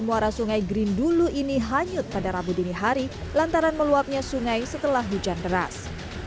muara sungai grindulu ini hanyut pada rabu dini hari lantaran meluapnya sungai setelah hujan deras